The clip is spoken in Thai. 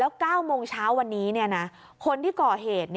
๙โมงเช้าวันนี้คนที่ก่อเหตุ